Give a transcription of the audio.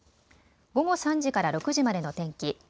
午後３時から６時までの天気。